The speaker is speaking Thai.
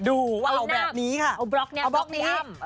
ดูว่าเอาแบบนี้ค่ะเอาบล็อกนี้เอาบล็อกนี้อ้ำ